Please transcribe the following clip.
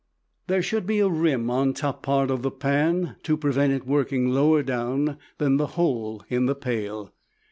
There should be a rim on top part of the pan to prevent it working lower down than the hole in the pail.